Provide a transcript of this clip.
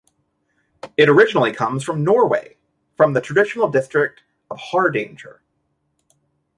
It originally comes from Norway, from the traditional district of Hardanger.